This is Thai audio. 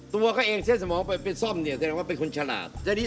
ตัวเขาเองเส้นสมองไปเป็นซ่อมเนี่ยแสดงว่าเป็นคนฉลาด